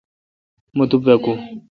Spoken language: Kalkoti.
مہ تو باکو۔